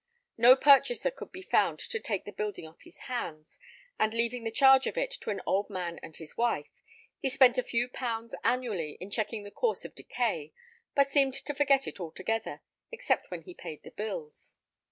No purchaser could be found to take the building off his hands; and leaving the charge of it to an old man and his wife, he spent a few pounds annually in checking the course of decay, but seemed to forget it altogether, except when he paid the bills.